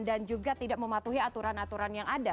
dan juga tidak mematuhi aturan aturan yang ada